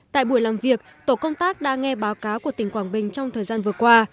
tại buổi làm việc tổ công tác đã nghe báo cáo của tỉnh quảng bình trong thời gian vừa qua